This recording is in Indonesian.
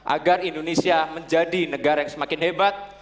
agar indonesia menjadi negara yang semakin hebat